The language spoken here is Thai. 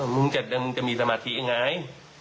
มึงจะมีสมาธิอย่างไร